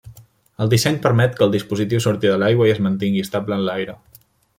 El disseny permet que el dispositiu surti de l'aigua i es mantingui estable en l'aire.